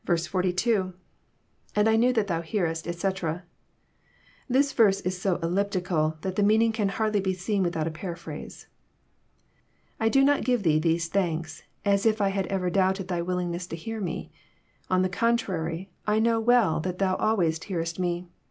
i2.—lAnd I knew that Thou hearestf etc.'] This verse is so ellipti cal that the meaning can hardly be seen without a paraphrase. '* I do not give Thee these thanks as if I had ever doubted Thy willingness to hear Me ; on the contrary, I know well that Thou always hearest Me.